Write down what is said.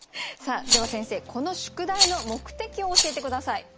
では先生この宿題の目的を教えて下さい。